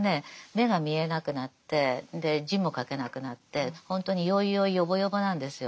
目が見えなくなって字も書けなくなってほんとによいよいよぼよぼなんですよ。